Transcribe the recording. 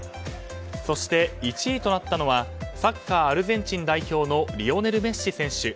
そして１位になったのはサッカー、アルゼンチン代表のリオネル・メッシ選手。